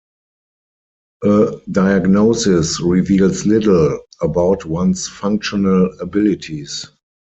A diagnosis reveals little about one's functional abilities.